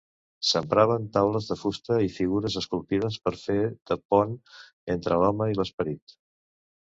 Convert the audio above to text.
S'empraven taules de fusta i figures esculpides per fer de pont entre l'home i l'esperit.